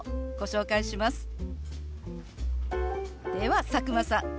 では佐久間さん